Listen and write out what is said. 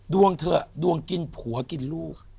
เถอะดวงกินผัวกินลูก